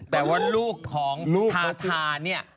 แต่ว่าลูกของทาทาเนี่ย